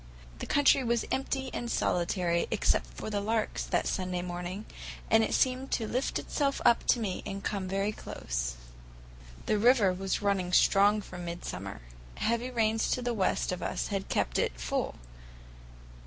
The country was empty and solitary except for the larks that Sunday morning, and it seemed to lift itself up to me and to come very close. The river was running strong for midsummer; heavy rains to the west of us had kept it full.